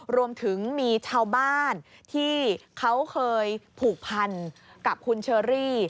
รวมถึงมีชาวบ้านที่เขาเคยผูกพันกับคุณเชอรี่